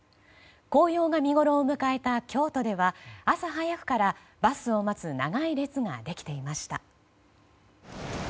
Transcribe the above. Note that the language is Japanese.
紅葉が見ごろを迎えた京都では朝早くからバスを待つ長い列ができていました。